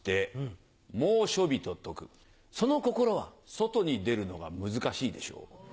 外に出るのが難しいでしょう。